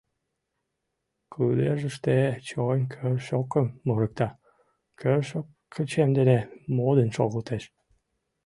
Кыдежыште чойн кӧршӧкым мурыкта, кӧршӧккучем дене модын шогылтеш.